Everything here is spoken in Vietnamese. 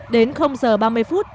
đến giờ ba mươi phút